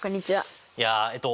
いやえっと